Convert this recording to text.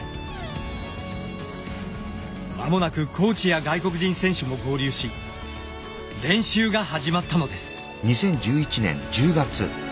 間もなくコーチや外国人選手も合流し練習が始まったのです。